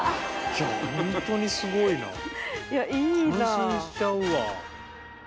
感心しちゃうわ。